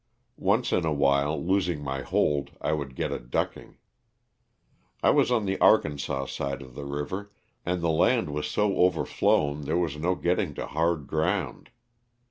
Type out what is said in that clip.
Once in awhile, losing my hold, I would get a ducking. I was on the Arkansas side of the river and the land was so over flown there was no getting to hard ground.